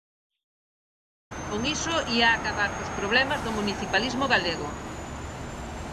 Con iso ía acabar cos problemas do municipalismo galego.